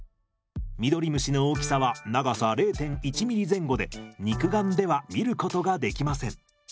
ミドリムシの大きさは長さ０．１ｍｍ前後で肉眼では見ることができません。